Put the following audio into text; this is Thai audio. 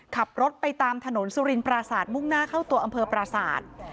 ขับรถไปตามถนนสุรินปราศาสตร์มุ่งหน้าเข้าตัวอำเภอปราศาสตร์